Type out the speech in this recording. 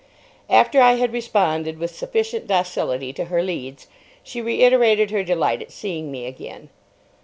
After I had responded with sufficient docility to her leads, she reiterated her delight at seeing me again.